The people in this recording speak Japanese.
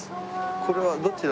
これはどちら？